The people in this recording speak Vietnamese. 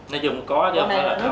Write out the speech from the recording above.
nói chung có chứ không phải là không